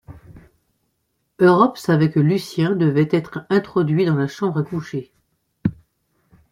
Europe savait que Lucien devait être introduit dans la chambre à coucher.